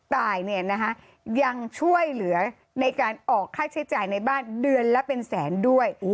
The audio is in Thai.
ตายยังช่วยเหลือในการออกค่าใช้จ่ายในบ้านเดือนละเป็นแสนด้วย